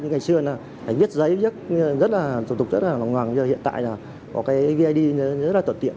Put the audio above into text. ngày xưa là phải viết giấy rất là thủ tục rất là lòng hoàng giờ hiện tại là có cái vneid rất là tuyệt tiện